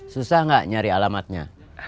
susah nggak nyari alamatnya